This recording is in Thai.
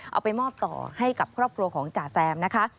เอาไปมอบต่อให้กับครอบครัวของจ่าแซมนะคะ